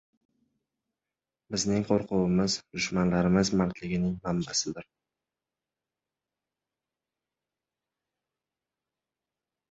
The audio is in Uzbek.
Bizning qo‘rquvimiz – dushmanlarimiz mardligining manbasidir.